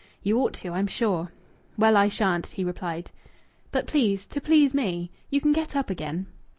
You ought to, I'm sure." "Well, I shan't," he replied. "But please! To please me! You can get up again."